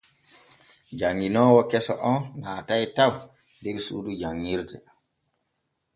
Janŋinoowo keso o naatoy taw der suudu janŋirde.